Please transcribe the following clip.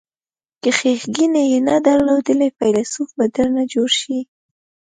که ښیګڼې یې نه درلودلې فیلسوف به درنه جوړ شي.